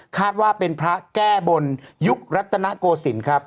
คาดว่าเป็นพระแก้บนยุครัตนโกศิลป์ครับ